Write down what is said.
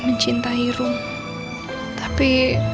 mencintai rum tapi